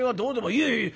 「いえいえ！